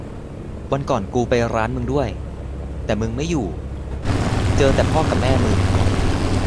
วันก่อนกูไปร้านมึงด้วย แต่มึงไม่อยู่ เจอแต่พ่อกะแม่มึง